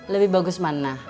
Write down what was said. lebih bagus mana